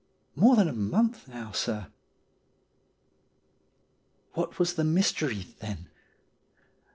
' More than a month now, sir.' What was the mystery, then?